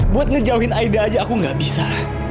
buat ngejauhin aida aja aku gak bisa